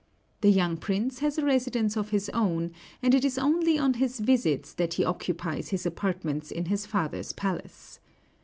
The young prince has a residence of his own, and it is only on his visits that he occupies his apartments in his father's palace.